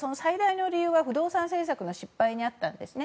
問題は不動産政策の失敗にあったんですね。